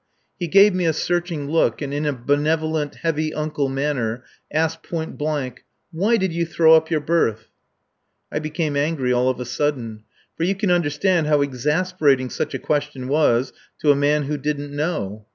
He gave me a searching look, and in a benevolent, heavy uncle manner asked point blank: "Why did you throw up your berth?" I became angry all of a sudden; for you can understand how exasperating such a question was to a man who didn't know.